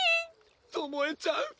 ともえちゃん！